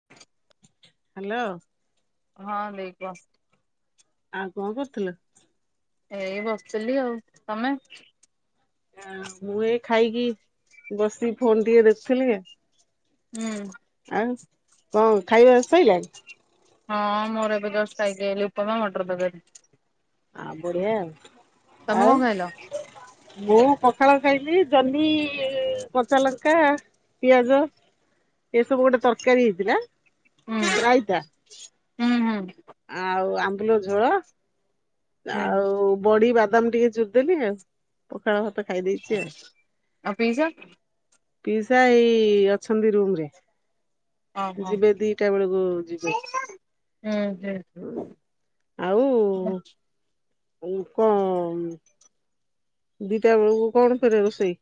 [unintelligible] Hello. ହଁ ଦେଇ ବସ। ଆଉ କଣ କରୁଥିଲୁ? ଏଇ ବସିଥିଲି ଆଉ। ତମେ? ମୁଁ ଏ ଖାଇକି ବସିକି ଫୋନ ଟିକେ ଦେଖୁଥିଲି। ହୁଁ। ଆଉ କଣ ଖାଇବା ସଇଲାଣି? ହଁ ମୋର ଏବେ ଜଷ୍ଟ ଖାଇକି ଆଇଲି ଉପମା ମଟର ତରକାରୀ। ଆ ବଢିଆ ଆଉ। ତମେ ଆଉ କଣ ଖାଇଲ? ମୁଁ ପଖାଳ ଖାଇଲିି, ଜହ୍ନି କଞ୍ଚା ଲଙ୍କା ପିଆଜ ଏ ସବୁ ଗୋଟେ ତରକାରୀ ହେଇଥିଲା। ହୁଁ। ରାଇତା। ହୁଁ ହୁଁ। ଆଉ ଆମ୍ବୁଲ ଝୋଳ ହୁଁ ଆଉ ବଡି ବାଦାମ ଟିକେ ଚୁରି ଦେଲି ଆଉ, ପଖାଳ ଭାତ ଖାଇଦେଇଛି ଆଉ। ଆଉ ପିଇସା ପିଇସା ଏଇ ଅଛନ୍ତି ରୁମ ରେ ଓହୋ ଯିବେ ଦିଟା ବେଳକୁ ଯିବେ। ହୁଁ ଏମନ୍ତିଆ। ହଁ ଆଉ ଆଉ କଣ ଦିଟା ବେଳକୁ କଣ ଫେରେ ରୋଷେଇ?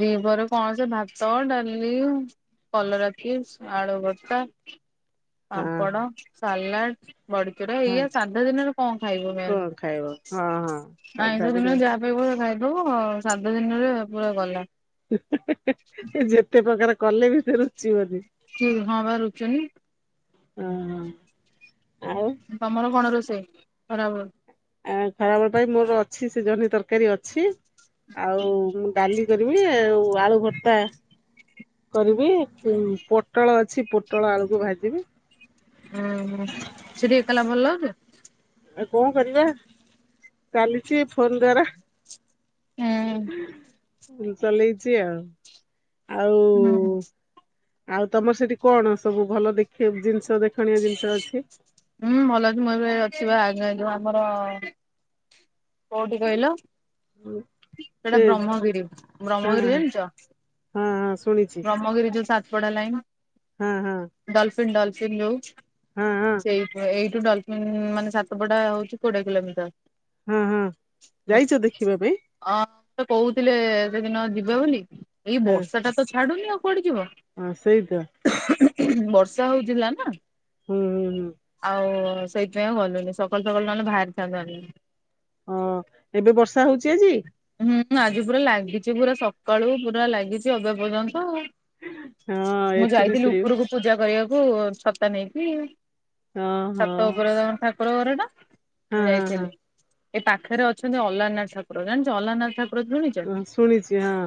ଦିପହରେ କଣ ସେ ଭାତ, ଡାଲି କଲରା ଚିପ୍ସ, ଆଳୁ ଭର୍ତ୍ତା, ହଁ ପାମ୍ପଡ଼, ହଁ ସାଲାଟ ବଡ଼ିଚୁରା ହଁ ଏଇଆ ସାଧା ଦିନରେ କଣ ଖାଇବ ମେ କଣ ଖାଇବ ହଁ ହଁ ସାଧା ଆଇଁଷ ଦିନ ଦିନରେ ଯା ଆ ଖାଇବ ଖାଇଦବୁ ସାଧା ଦିନରେ ପୁରା ଗଲା। ଯେତେ ପ୍ରକାର କଲେ ବି ସେ ରୁଚିବନି। କି ହଁ ବା ରୁଚୁନି। ଅହଁ ଆଉ ତମର କଣ ରୋଷେଇ ଖରାବେଳେ? ଆ ଖରାବେଳ ପାଇଁ ମୋର ଅଛି ସେ ଜହ୍ନି ତରକାରୀ ଅଛି ଆଉ ଡାଲି କରିବି ଆଉ ଆଳୁ ଭର୍ତ୍ତା କରିବି ପୋଟଳ ଅଛି ପୋଟଳ ଆଳକୁ ଭାଜିବି। ଓହୋ ସେଠି ଏକେଲା ଭଲ ଲାଗୁଛି? ଆଉ କଣ କରିବା ଚାଲିଛି ଫୋନ ଦ୍ଵାରା। ହୁଁ ଚଲେଇଛି ଆଉ। ଆଉ ଆଉ ତମର ସେଠି କଣ ସବୁ ଭଲ ଦେଖ ଜିନିଷ ଦେଖଣିଆ ଜିନିଷ ଅଛି? ହୁଁ ଭଲ କି ମୁଁ ଏବେ ଅଛିି ବା ଆଗ ଯଉ ଆମର କୋଉଠି କହିଲ ସେଇଟା ସେ ବ୍ରହ୍ମଗିରି ହଁ ବ୍ରହ୍ମଗିରି ହଁ ଜାଣିଛ? ହଁ ଶୁଣିଛି ବ୍ରହ୍ମଗିରି ଯୋଉ ସାତପଡା ଲାଇନ ହଁ ହଁ। ଡଲଫିନ ଡଲଫିନ ଯୋଉ। ହଁ ହଁ ସେଇ ଏଇଠୁ ଡଲଫିନ ମାନେ ସାତପଡା ହଉଛି କୋଡିଏ କିଲୋମିଟର। ହଁ ହଁ ଯାଇଛ ଦେଖିବା ପାଇଁ? ଅଁ ସେ କହୁଥିଲେ ସେଦିନ ଯିବେ ବୋଲି ଏଇ ବର୍ଷା ଟା ତ ଛାଡୁନି ଆଉ କୁଆଡେ ଯିବ। ଅଁ ସେଇତ। [unintelligible] ବର୍ଷା ହଉଥିଲା ନା? ହୁଁ ହୁଁ। ଆଉ ସେଇଥିପାଇଁ ଆଉ ଗଲୁନି ସକାଳୁ ସକାଳୁ ନହେଲେ ବାହାରିଥାନ୍ତୁ ଆମେ। ହଁ ଏବେ ବର୍ଷା ହଉଛି ଆଜି? ହୁଁ ଆଜି ପୁରା ଲାଗିଛି ପୁରା ସକାଳୁ ପୁରା ଲାଗିଛି ଏବେ ପର୍ଯ୍ୟନ୍ତ ଆଉ। ହଁ ମୁଁ ଏଠି ବି ଯାଇଥିଲି ସେଇ ଉପୁରୁକୁ ପୂଜା କରିଆକୁ ଛତା ନେଇକି, ହଁ ଛାତ ହଁ ଉପରେ ତାଙ୍କ ଠାକୁର ଘର ଟା। ହଁ ମୁଁ ଯାଇଥିଲି, ହଁ ଏ ପାଖେରେ ଅଛନ୍ତି ଅଲାରନାଥ ଠାକୁର, ଜାଣଚ ଅଲାରନାଥ ଠା କୁର ସୁଣିଛ ହଁ ଶୁଣିଛି ହଁ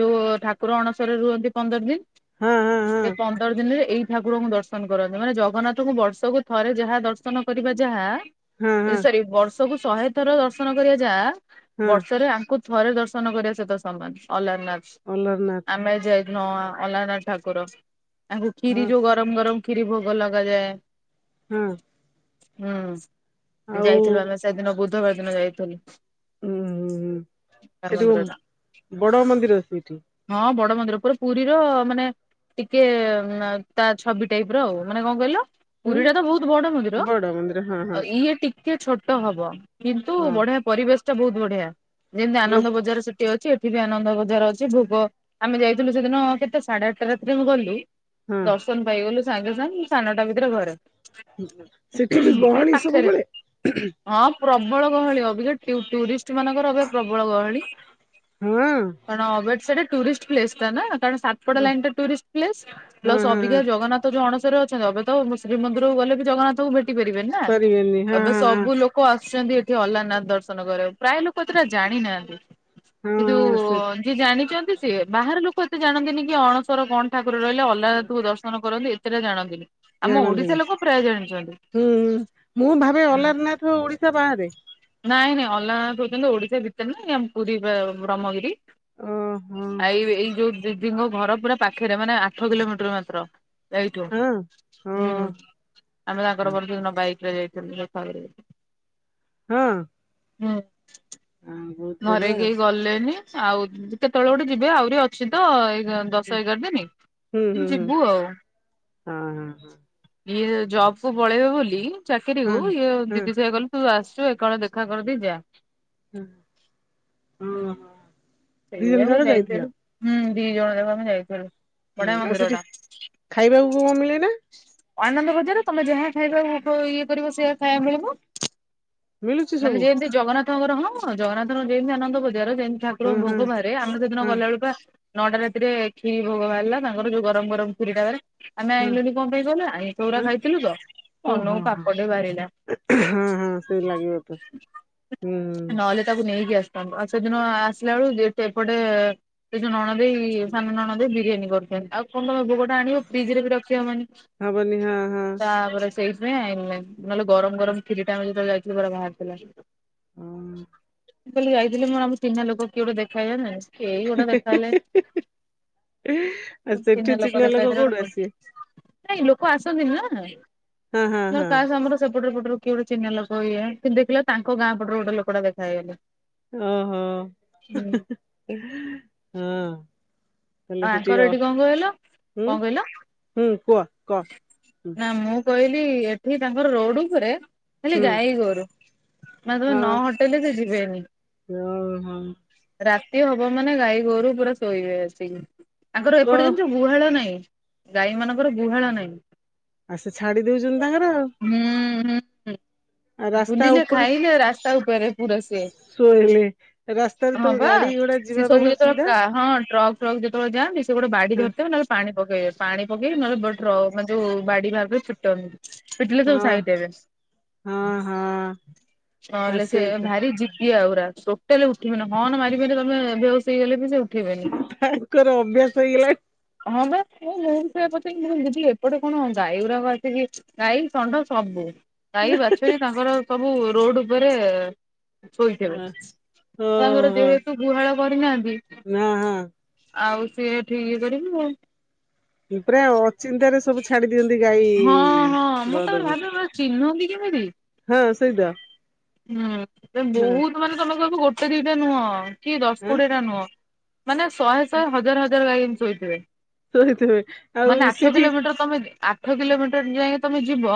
ଯୋଉ ଠାକ ପୁର ଅଣସରରେ ରୁହନ୍ତି ପନ୍ଦର୍ ଦିନ୍, ହଁ ହଁ ସେ ହଁ ପନ୍ଦର ଦିନିରେ ଏଇ ଠାକୁରଙ୍କୁ ଦର୍ଶନ କରନ୍ତି, ମାନେ ଜଗନ୍ନାଥଙ୍କୁ ବର୍ଷକୁ ଥରେ ଯାହା ଦର୍ଶନ କରିବା ଯାହା ହଁ ହଁ ଏ ହଁ ସରି ବର୍ଷକୁ ଶହେ ଥର ଦର୍ଶନ କରିବା ଯା ହଁ ବର୍ଷରେ ଆଙ୍କୁ ଥରେ ଦର୍ଶନ କରିବା ସହିତ ସମାନ୍ ଅଲାରନାଥ୍, ଅଲାରନାଥ ଆମେ ଯାଇ ହଁ ଅଲାରନାଥ ଠାକୁର, ତାଙ୍କୁ ହଁ ଖିରି ଯୋଉ ଗରମ୍ ଗରମ୍ ଖିରି ଭୋଗ ଲଗାଯାଏ। ହୁଁ। ହୁଁ, ଯାଇଥିଲୁ ଆମେ ସେଦିନ, ବୁଧବାର ଦିନ ଯାଇଥେଲୁ। ଉଁ, ହୁଁ, ହୁଁ। [unintelligible] ମନ୍ଦିର ଟା ମନ୍ଦିର ସେଇଠି ହଁ, ବଡ ମନ୍ଦିର ପୁରା ପୁରୀର ମାନେ ଟିକେ ତା ଛବି ଟାଇପ୍ ର ଆଉ, ମାନେ କଁ କହିଲ? ହୁଁ ପୁରୀ ଟା ତ ଭୋଉତ୍ ବଡ ମନ୍ଦିର, ବଡ ମନ୍ଦିର ହଁ ଅ ହଁ ଇଏ ଟିକେ ଛୋଟ ହବ କିନ୍ତୁ ହଁ ବଢିଆ ପରିବେଶ ଟା ବହୁତ ବଢିଆ, ଯେମିତି ଲୋକ ଆନନ୍ଦ ବଜାର ସେ ସେଠି ଅଛି, ଏଠି ବି ଆନନ୍ଦ ବଜାର ଅଛି, ଭୁଗ ଆମେ ଯାଇଥିଲୁ ସେଦିନ କେତେ ସାଡେଆଟ୍ଟା ରାତିରେ ମୁଁ ଗଲୁ ହଁ ଦର୍ଶନ ପାଇଗଲୁ ସାଙ୍ଗେ ସାଙ୍ଗ୍, ସାନଟା ଭିତରେ ଘରେ। ଉଁ ହୁଁ, ସେଠି ବି ଏ ଗହଳି ପାଖରେ ସବୁବେଳେ ହୁଁ ହୁଁ। ହଁ ପ୍ରବଳ ଗହଳି, ଅବିକା ଟ୍ୟୁ, ଟୁରିଷ୍ଟ୍ ମାନଙ୍କର ଅବିକା ପ୍ରବଳ ଗହଳି। ହଁ। କାରଣ ଅବେଟ୍ ସେଟା ଟୁରିଷ୍ଟ୍ ପ୍ଲେସ୍ ଟା ନା, କାରଣ ସାତପଡା ହଁ ଲାଇନ୍ ଟା ଟୁରିଷ୍ଟ୍ ପ୍ଲେସ୍, ହଁ ପ୍ଲସ ଅବିକା ହଁ ଜଗନ୍ନାଥ୍ ତ ଅଣସରରେ ଅଛନ୍ତି, ଏବେ ତ ଶ୍ରୀମନ୍ଦିରକୁ ଗଲେ ବି ଜଗନ୍ନାଥଙ୍କୁ ଭେଟି ପାରିବେନି ନା, ପାରିବେନି ହଁ ଏବେ ହଁ ହଁ ସବୁ ଲୋକ ଲୋକ ଆସଛନ୍ତି ଏଠି ଅଲାରନାଥ ଦର୍ଶନ କରିବାକୁ, ପ୍ରାଏ ଲୋକୋ ଏତେଟା ଜାଣିନାହାନ୍ତି। ହଁ କିନ୍ତୁ ହଁ ସେ ଅନ୍ ଯିଏ ଜାଣିଛନ୍ତି ସିଏ, ବାହାର୍ ଲୋକ ଏତେ ଜାଣନ୍ତିନି କି ଅଣସର କଣ ଠାକୁର ରହିଲେ ଅଲ ଅଲାରନାଥ ଙ୍କୁ ଦର୍ଶନ କରନ୍ତି ଏତେଟା ଜାଣନ୍ତିନି, ଆମ ଜାଣନ୍ତିନି ଓଡିଶା ଲୋକ ପ୍ରାୟ ଜାଣିଚନ୍ତି। ହୁଁ ହୁଁ ମୁଁ ଭାବେ ଅଲାରନାଥ ଓଡିଶା ବାହାରେ। ନାଇଁ, ନାଇଁ ଅଲାରନାଥ ହୋଉଛନ୍ତି ଓଡିଶା ଭିତରେ ନାଇ, ଆମ୍ ପୁରୀ ବେ ବ୍ରହ୍ମଗିରି। ଓହୋ ଆଇ ଏଇ, ଯୋଉ ଦିଦିଙ୍କ ଘର ପୁରା ପାଖେରେ ମାନେ ଆଠ କିଲୋମିଟର ମାତ୍ର। ଏଇଠୁ ହଁ ହୁଁ, ହଁ ଆମେ ତାଙ୍କର, ମୋର ଯୋଉଦିନ ବାଇକରେ ଯାଇଥିଲୁ ଯୋ [unintelligible] ହଁ। ହୁଁ। ଆଉଁ। ଘରେ କେହି ଗଲେନି ଆଉ କେତୋଳେ ଗୋଟେ ଯିବେ ଆଉରି ଅଛି ତ ଏଗା ଦଶ, ହୁଁ ଏଗାର୍ ଦିନି ହୁଁ ହୁଁ ଯିବୁ ଆଉ। ହଁ ହଁ ଇଏ ଜବ୍ କୁ ପଳେଇବେ ବୋଲି ହଁ ଚାକିରିକୁ, ଇଏ ହଁ ଦିଦି ସେୟା ଗଲ୍ ତୁ ଆସଚୁ ଏକାଓଳେ ଦେଖା କରଦେଇ ଯା। ହୁଁ। ଓହୋ। ସେୟାକୁ ଯାଇଥେଲୁ ହୁଁ ଦି ଜଣ ଯାକ ଆମେ ଯାଇଥେଲୁ। ହୁଁ, ଆଉ ସେଠି ଖାଇବାକୁ କଣ ମିଳେନା? ଆନନ୍ଦ ବଜାର ତମେ ଯାହା ଖାଇବା ଭ ଇଏ କରିବ ସେୟା ଖାଇବା ମିଳିବ। ମିଳୁଛି ମାନେ ସବୁ ଯେମ୍ତି ଜଗନ୍ନାଥଙ୍କର, ହଁ, ଜଗନ୍ନାଥଙ୍କର ଯେନ୍ତି ଆନନ୍ଦ ବଜାର ସେ ହଁ ଠାକୁରଙ୍କ ହଁ ଭୋଗୋ ବାହାରେ, ଆମର ସେଦିନ ହଁ ଗଲାଳେକୁ ପା ନଟା ରାତିରେ ଖିରି ଭୋଗୋ ବାହାରିଲା, ତାଙ୍କର ଯୋଉ ଗ ଦମ୍ବରମ୍ ପୁରୀଡ଼ାବାରେ ଆମେ ହଁ ଆଇଲୁନି କମ୍ ଦେଇ କଇଲା ଆଇଁଷ ଗୁରା ହଁ ଖାଇଥିଲୁ ତ, ଓ ହଁ ମନକୁ ହଁ ପାପଟେ ବାରିଲା। ହଁ ହଁ ସେମତି ଲାଗିବ ତ। ହୁଁ ନହେଲେ ତାକୁ ନେଇକି ଆସଥାନ୍ତୁ, ଆଉ ସେଦିନ ଆସିଲା ଏଳକୁ ଦିଉଟେ ଏପଟେ ସେ ଯୋଉ ନଣଦେଇ ସାନ ନଣଦେଇ ବିରିୟାନୀ କ ଥିଲେ ଆଉ କଣ ତମେ ଭୋଗଟା ଆଣିବ ଫ୍ରିଜରେ ବି ରଖି ହବନି ହବନି ହଁ ହଁ ତାପରେ ସେଇଥିପାଇଁ ଆଇଲୁନେଇ ନହେଲେ ଗରମ ଗରମ କ୍ଷୀରିଟା ଆମେ ଯେତେବେଳେ ଯାଇଥିଲୁ ପୁରା ବାହାରିଥିଲା। ହଁ କହିଲି ଯାଇଥିଲି ମୋର ଆମ ଚିହ୍ନା ଲୋକ କିଏ ଗୋଟେ ଦେଖା ହେଇ କେହି ଗୋଟେ ଦେଖା ହେଲେ ଆ ସେଠି ଚିହ୍ନା ଲୋକ ଦେଖା ହେଇଥିଲେ କୋଉଠୁ ଗୋଟେ ଆସିବେ କ ନାଇଁ ଲୋକ ଆସନ୍ତି ନା, ହଁ ହଁ ତ ହଁ କାସ ଆମର ସେପଟୁ ଏପଟରୁ କି ଗୋଟେ ଚିହ୍ନା ଲୋକ ଇଏ କିନ୍ତୁ ଦେଖିଲା ଳୁ ତାଙ୍କ ଗାଁ ପଟରୁ ଗୋଟେ ଲୋକଟା ଦେଖା ହେଇଗଲେ। ଓହୋ ହଁ। ତାହେଲେ ଆ ସେଠି ଆଙ୍କର ଅ ଏଠି କଣ କହିଲ, ହୁଁ କଣ କହିଲ? ହୁଁ କୁହ କହ ହୁଁ ନା ମୁଁ କହିଲି ଏଠି ତାଙ୍କର ରୋଡ଼ ଉପରେ ଖାଲି ହୁଁ ଗାଈ ଗୋରୁ ମାନେ ତମେ ନ ହଟେଇଲେ ସେ ଯିବେନି। ଓ ହ। ରାତି ହବ ମାନେ ଗାଈ ଗୋରୁ ପୁରା ଶୋଇବେ ଆସିକି। ତାଙ୍କର ଓ ଏପଟେ ଜାଣିଚ ଗୁହାଳ ନାଇଁ ଗାଈ ମାନଙ୍କର ଗୁହାଳ ନାଇଁ। ଆ ସେ ଛାଡ଼ି ଦେଉଛନ୍ତି ତାଙ୍କର। ହୁଁ ହୁଁ। ଆଉ ରାସ୍ତା ବୁଲିଲେ ଉପରେ ଖାଇଲେ ରାସ୍ତା ଉପରେ ପୁୁରା ସିଏ। ଶୋଇଲେ ରାସ୍ତାରେ ତ ହଁ ବା ଗାଡି ଘୋଡା ଯିବା ସିଏ ପାଇଁ ସବୁ ଯେତେବେଳେ ଅସୁବିଧା କା ହଁ ଟ୍ରକ୍ ଫ୍ରକ୍ ଯେତେବେଳେ ଯାଆନ୍ତି, ସେ ଗୋଟେ ବାଡ଼ି ହଁ ଧରିଥିବେ ନ ହେ ପାଣି ପକେଇବେ ପାଣି ପକେଇ ନ ବ ଟ୍ରକ ମାନେ ଯୋଉ ବାଡ଼ି ବାହାରକରି ପିଟ ପିଟିଲେ ହଁ ସବୁ ସାଇଡ଼ ଦେବେ ନ ହଁ। ହଁ ଆ ହେଲେ ସିଏ ସେଇ ତ ଭାରି ଜି ଦିଆ ଗୁରା ଟୋଟାଲ ଉଠିବେନି ହରନ୍ ମାରି ମାରି ତମେ ବେହୋସ ହେଇଗଲେ ବି ସେ ଉଠିବେନି। କର ଅଭ୍ୟାସ ହେଇଗଲା ହଁ ବା ମୁଁ ମୁଁ ବି ସେୟା ପଚା ମୁ ଦିଦି ଏପଟେ କଣ ଗାଈ ଗୁୁରାକ ଆସିକି ଗାଈ ଷଣ୍ଢ ସବୁ ଗାଈ ବାଛୁରୀ ତାଙ୍କର ସବୁ ରୋଡ଼ ଉପରେ ଶୋଇଥିବେ ତାଙ୍କର ଓହୋ ଯେହେତୁ ଗୁହାଳ କରିନାହାନ୍ତି ନା ହଁ ଆଉ ସିଏ ଏଠି ଇଏ କରିକି ଏ ପୁରା ଅଚିନ୍ତାରେ ସବୁ ଛାଡ଼ି ଦିଅନ୍ତି ଗାଈ ହଁ ହଁ ମୁଁ ତାପରେ ବଳଦକୁ। ଭାବେ ପୁରା ଚିହ୍ନନ୍ତି କେମିତି? ହଁ ସେଇତ। ହୁଁ ବହୁତ ମାନେ ତମେ କହିବ ଗୋଟେ ଦିଟା ନୁହଁ କି ଦଶ ଆଁ କୋଡ଼ିଏ ଟା ନୁହଁ ମାନେ ଶହେ ଶହେ ହଜାର ହଜାର ଗାଈ ଏମିତି ଶୋଇଥିବେ। ଶୋଇଥିବେ ଆଉ ମାନେ ଆଠ ସେଠି କିଲୋମିଟର ତମେ ଆ ଆଠ କିଲୋମିଟର ଯାଏଁ ତମେ ଯିବ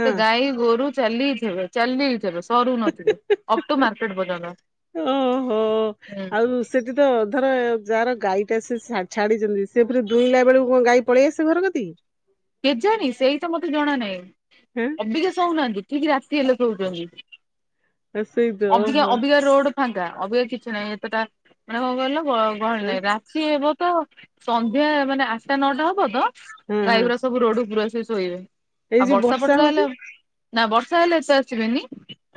ହଁ ଗାଈ ଗୋରୁ ଚାଲିଥିବେ ଚାଲିଥିବେ। ଡରୁ ନ ଥିବେ ଅକ୍ଟୋ ମାର୍କେଟ ପର୍ଯ୳ନ୍ତ ହୁଁ ଯିଏତ ଧର ଯାହାର ଗାଈଟା ସେ ସା ଛାଡ଼ିଚନ୍ତି ସେ ଫେରେ ଦୁଇଁଲା ବେଳକୁ କଣ ଗାଈ ପଳେଇ ଆସେ ଘର କତିକି। କେଜାଣି ସେଇ ତ ମତେ ଜଣା ନାହିଁ। ହେଁ ଅବିକା ଶୋଉନାହାନ୍ତି ଠିକ୍ ରାତି ହେଲେ ଶୋଉଛନ୍ତି ସେଇ ତ ଅବିକା ଓହୋ ଅବିକା ରୋଡ଼ ଫାଙ୍କା ଅବିକା କିଛି ନାହିଁ ଏତେଟା ମାନେ କଣ କହିଲ ଗ ଗହଳି ହଁ ନାଇଁ ରା ତି ହେବ ତ ସନ୍ଧ୍ୟା ମାନେ ଆଠଟା ନଅଟା ହବ ତ ହଁ ହଁ ଗାଈଗୁରା ସ ସବୁ ରୋଡ଼ ଉପରେ ଆସିକି ଶୋଇବେ ଏଇ ଆଉ ଯୋଉ ବର୍ଷା ଫର୍ଷା ହେଲେ ହଉଛି ଆଉ ନା ବର୍ଷା ହେଲେ ଏତେ ଆସିବେନି।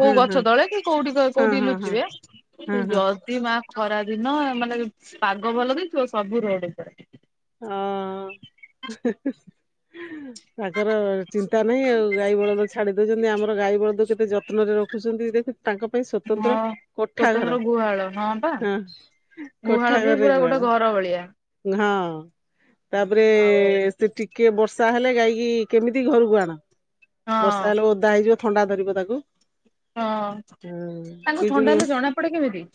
କୋଉ ହଁ ହଁ ଗଛ ତଳେ କି କୋଉଠି ହଁ କୋଉଠି ହଁ ହଁ ଲୁଚିବେ ହଁ ହଁ ଯଦି ମା ଖରା ଦିନ ମାନେ ପାଗ ଭଲ ଦେଇଥିବ ସବୁ ରୋଡ ଉପରେ। ହଁ ହିଁ ହିଁ ତାଙ୍କର ଚିନ୍ତା ନାହିଁ ଆଉ ଗାଈ ବଳଦ ଛାଡ଼ି ଦୋଉଚନ୍ତି ଆମର ଗାଈ ବଳଦ କେତେ ଯତ୍ନରେ ରଖୁଚନ୍ତି ଦେଖେ ତାଙ୍କ ପାଇଁ ହଁ ସ୍ଵତନ୍ତ୍ର କୋଠା ଘର ସ୍ଵତନ୍ତ୍ର ଗୁହାଳ ପା ହଁ। ଗୁହାଳ କୋଠା ବି ଘରେ ପୁରା ଗୋଟେ ଗୁହାଳ ଘର ଭଳିଆ ହଁ। ତାପରେ ଆଉ ସେ ଟିକିଏ ବର୍ଷା ହେଲେ ଗାଈକି କେମିତି ଘରକୁ ଆଣ। ହଁ ବର୍ଷା ହେଲେ ଓଦା ହେଇଯିବ ଥଣ୍ଡା ଧରିବ ତାକୁ। ହଁ ହଁ ତାଙ୍କୁ ବିଜୁଳି ଥଣ୍ଡା ହେଲେ ଜଣା ପଡେ କେମିତି?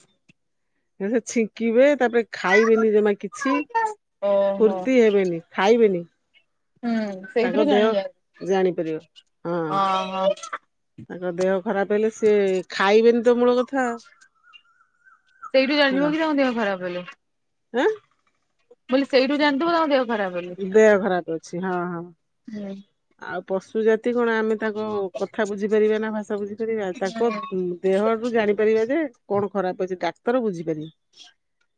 ସେ ଛିଙ୍କିବେ ତାପରେ ଓହୋ ଖାଇବେନି ଜମା କିଛି ହୁଁ ଫୁର୍ତ୍ତି ହେବେନି। ଖାଇବେନି। ହୁଁ ତାଙ୍କ ସେଇଥିରୁ ଦେହ ଜାଣି ହୁଏ ଜାଣିପାରିବ ହଁ ଅହ। ତାଙ୍କ ଦେହ ଖରାପ ହେଲେ ସିଏ ଖାଇବେନି ତ ମୂଳ କଥା। ସେଇଠୁ ଜାଣିିଯିବ କି ତାଙ୍କ ଦେହ ଖରାପ ହେଲେ। ଏଁ ମୁଁ କହିଲି ସେଇଠୁ ଯାଣୁଥିବ ତାଙ୍କ ଦେହ ଖରାପ ବୋଲି। ଦେହ ଖରାପ ଅଛି ହଁ ହଁ। ହୁଁ। ଆଉ ପଶୁ ଜାତି କଣ ଆମେ ତାଙ୍କ କଥା ବୁଝିପାରିବା ନା ଭାଷା ବୁଝିପାରିବା ତାଙ୍କ ଦେହ ରୁ ଜାଣିପାରିବା ଯେ କଣ ଖରାପ ଅଛି ଡାକ୍ତର ବୁଝିପାରିବେ।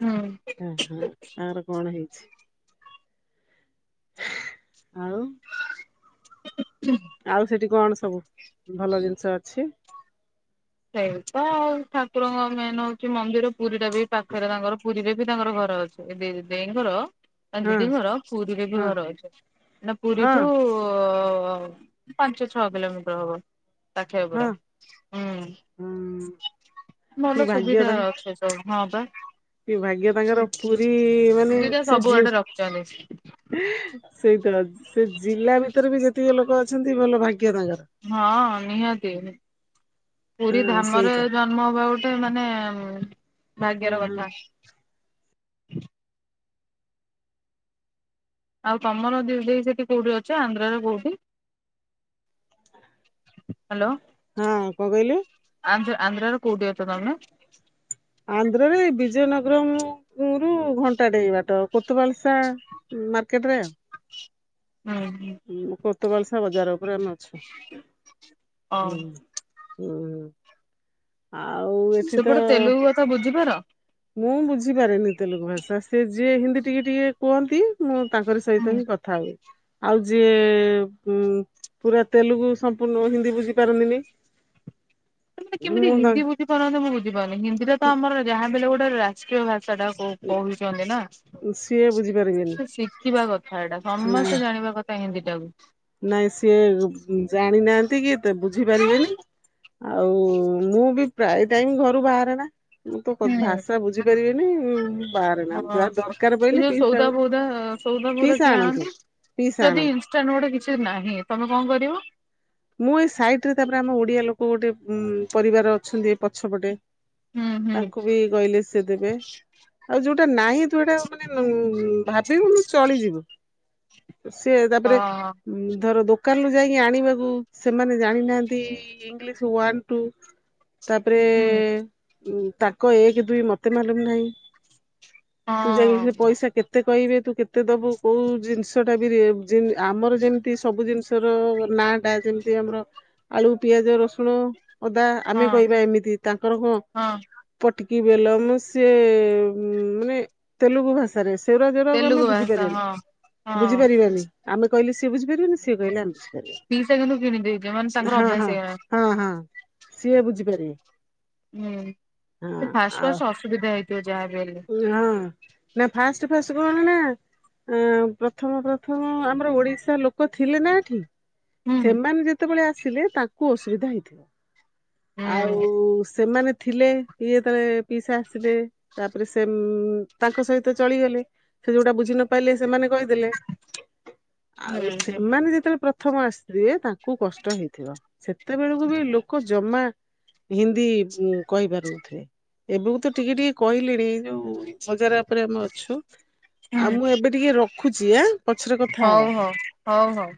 ହଁ ଓହୋ ଆର କଣ ହେଇଛି ଆଉ ହୁଁ ହୁଁ ଆଉ ସେଠି କଣ ସବୁ ଭଲ ଜିନିଷ ଅଛି। ସେଇ ତ ଆଉ ଠାକୁରଙ୍କ ମେନ ହଉଛି ମନ୍ଦିର ପୁରୀ ଟା ବି ପାଖରେ ତାଙ୍କର ପୁରୀରେ ବି ତାଙ୍କର ଘର ଅଛି। ଏ ଦେ ଦେଇଙ୍କର ନା ହଁ ଦିଦି ଘର ପୁରୀରେ ବି ହଁ ଘର ଅଛି ହେନେ ହଁ ପୁରୀଠୁ ପାଞ୍ଚ ଛଅ କିଲୋମିଟର ହବ ପାଠିଆ ହଁ ପୁରା ହୁଁ। ହୁଁ କି ଭଲ ଭାଗ୍ୟ ସୁବିଧା ତାଙ୍କ ଅଛି ସବୁ ହଁ ପା। କି ଭାଗ୍ୟ ତାଙ୍କର ପୁରୀ ମାନେ ସୁବିଧା ସେ ଯିଏ ସବୁଆଡେ ରଖିଛନ୍ତି। ସେଇତ ସେ ଜିଲ୍ଲା ଭିତରେ ବି ଯେତିକି ଲୋକ ଅଛନ୍ତି ଭଲ ଭାଗ୍ୟ ତାଙ୍କ ହଁ ନିହାତି ପୁରୀ ହଁ ଧାମରେ ସେଇତ ଜ ମ ବା ଗୋଟେ ମାନେ ହଁ ଭାଗ୍ୟର ହଁ ହଁ କଥା। ଆଉ ତମର ଦିଇ ଦେଇ ସେଠି କୋଉଠି ଅଛ ଆନ୍ଧ୍ରରେ କୋଉଠି। ହ୍ୟାଲୋ। ହଁ କଣ କହିଲେ ଆନ୍ଧ୍ ଆନ୍ଧ୍ର ରୁ କୋଉଠି ଅଛ ତମେ ଆନ୍ଧ୍ରରେ ବିଜୟନଗରମ ରୁ ଘଣ୍ଟାଡେଇ ବାଟ ତୁବରଶା ମାର୍କେଟ ରେ ଆଉ ହୁଁ ହୁଁ। ହୁଁ କେତେ ବାଲିସା ବଜାର ଉପରେ ମାଛ - ହୁଁ ହଁ ହୁଁ ଆଉ ଏଠି ତ ସେପଟେ ତେଲୁଗୁ କଥା ବୁଝିପାର ମୁଁ ବୁଝିପାରେନି ତେଲୁଗୁ ଭାଷା ସେ ଯିଏ ହିନ୍ଦୀ ଟିକେ ଟିକେ କୁହନ୍ତି ମୁଁ ତାଙ୍କର ସହିତ ହୁଁ ହିଁ କଥ୍। ଥାଉ ଆଉ ଯିଏ କୁ ପୁରା ତେଲୁଗୁ ସମ୍ପୂର୍ଣ୍ଣ ହିନ୍ଦୀ ବୁଝି ପାରନ୍ତିନି ମାନେ କେମିତି ହିନ୍ଦୀ ବୁଝିପାରନ୍ତି ମୁଁ ବୁଝିପାରୁନି ହିନ୍ଦୀ ତ ଆମ ଯାହା ବଲେ ଗୋଟେ ରାଟ୍। ମୁସକିଲ୍ ଭାସାଟା ବହୁତ୍ କୋଉଚ୍ ନାଁ ସିଏ ବୁଝିପାରିବେନି ଶିଖିବା କଥା ଏଟା ନାଇଁ ସମସ୍ତେ ଜାଣିବା କଥା ହିନ୍ଦୀ ଟାକୁ। ନାଇଁ ସିଏ ଜାଣିନାହାନ୍ତି କିତ୍। ମତେ ବୁଝିପାରିବେନି ଆଉ ମୁଁ ବି ପ୍ରାୟ ଟାଇମ୍ ଘରୁ ବାହାରେ ନାଁ ମୁଁ ତ ହୁଁ ଖୁତ୍ ଭାଷା ବୁଝିପାରିବିନି ବାହାରେ ନାଁ ଯାହା ଦରକାର ପହିଲେ [unintelligible] [unintelligible] ସବୁତ ପୁର କିଏ ଆଁନ୍ତି। ପିସା ଆଣେ ତମେ ଗୋଟେ କିଛି ନାହିଁ ତମେ କଣ କରିବ ମୁଁ ଏଇ ସାଇଟ ରେ ତାପରେ ଆମ ଓଡିଆ ଲୋକ ଗୋଟେ ଉଁ ପରିବାର ଅଛନ୍ତି ଏପଛପଟେ। ହୁଁ ହୁଁ ତାଙ୍କୁ ବି କହିଲି ସେ ଦେବେ ଆଉ ଯୋଉଟା ନାହିଁ ତୁସେଟା ମାନେ ଭାବିବୁ ଚଳିଯିବୁ। ସିଏ ତାପରେ ହଁ ଧର ଦୋକାନରୁୁ ଯାଇକି ଆଣିବାକୁ। ସେମାନେ ଜାଣିନାହାନ୍ତି ଇଂଲିଶ ୱାନ ଟୁଉ ତାପରେ। ହୁଁ ଉଁ ତାଙ୍କ ଏକ ଦୁଇ ମତେ ମାଲୁମ ନାହିଁ ତୁ ଯାଇକି ସେ ହଁ ପଇସା କେତ୍ ତେ କହିବେ ତୁ କେତେ ଦବୁ କୋଉ ଜିନିଷଟା [unintelligible] ଆମର ଯେମିତି ସବୁ ଜିନିଷ। ତେର ନାଁଟା ଯେମିତ୍। ଏଇ ଆମର ଆଳୁ, ପିଆଜ, ରସୁଣ, ଅଦା, ଆମେ ହଁ କହିବା ଏମିତି ତାଙ୍କର କଅଁ। ହଁ ପଟିକି ବେଲ ମୁଁ ସିଏ ମାନେ ତେଲୁଗୁ ଭାଷାରେ ସେଗୁରା ତେଲୁଗୁ [unintelligible] ଭାଷା ବୁଝିପାରିବେନି, ହଁ। ହଁ ବୁଝିପାରିବେନି। ଆମେ କହିଲେ ସିଏ ବଝିପରିବନି ସିଏ କହିଲେ ଆମେ ବୁଝିପରିବାନି। ପିସା କିନ୍ତୁ କେମିତିଭ୍। ହଁ ହଁ ହଁ ହଁ ସିଏ ବୁଝିପାରିବେ। ହୁଁ ହଁ ଫାସ ଫାସ ଅସୁବିଧା ହେଇଥିବ ଯାହା ବି ହେଲେ। [unintelligible] ନାଁ ଫାଷ୍ଟ ଫାଷ୍ଟ କଣ ନାଁ। ଏଁ ପ୍ରଥମ ପ୍ରଥମ ଆମର ଓଡିଶା ଲୋକ ଥିଲେ ନାଁ ଏଠି? ହୁଁ ସେମାନେ ଯେତେବେଳେ ଆସିଲେ ତାଙ୍କୁ ଅସୁବିଧା ହେଇଥିବ। ଆଉ ହୁଁ ସେମାନେ ଥିଲେ ଇଏତ ପିଇସା ଆସିବେ। ତାପରେ ସେମ୍ ତାଙ୍କ ସହିତ ଚଳିଗଲେ ସେ ଯୋଉଟା ବୁଝି ନପାରିଲେ ସେମାନେ କହିଦେଲେ। [inaudible] ଆଉ ସେମାନେ ଯେତେବେଳେ ପ୍ରଥମ ଆସିଥିବେ ତାଙ୍କୁ କଷ୍ଟ ହେଇଥିବ। ସେତେବେଳକୁ ବି ଲୋକ ଜମା। ହିନ୍ଦୀ ଉଁ କହିପାରୁନଥିବେ ଏବେକୁ ତ ଟିକେ ଟିକେ କହିଲିଣି ଯୋଉ ବଜାର ଉପରେ ଆମେ ଅଛୁ ଆଉ ମୁଁ ହୁଁ ଏବେ ଟିକେ ରଖୁଛି ଆ, ହଉ ହଉ ହଉ ହଉ।